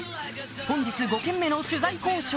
本日５軒目の取材交渉